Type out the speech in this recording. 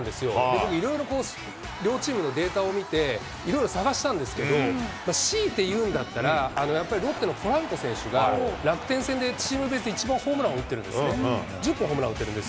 僕、いろいろ両チームのデータを見て、いろいろ探したんですけど、強いて言うんだったら、やっぱりロッテのポランコ選手が、楽天戦で一番ホームランを打って「髪顔体髪顔体バラバラ洗いは面倒だ」